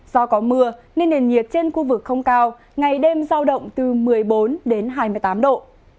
do có mưa nên nền nhiệt trên khu vực không cao ngày đêm giao động từ một mươi bốn đến hai mươi tám độ